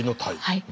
はい。